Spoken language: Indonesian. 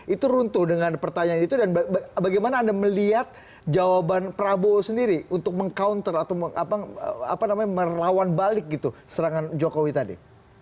itu runtuh dengan pertanyaan itu dan bagaimana anda melihat jawaban prabowo sendiri untuk meng counter atau melawan balik gitu serangan jokowi tadi